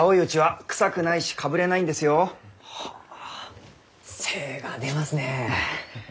あ精が出ますね。